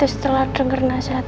setelah denger nasihat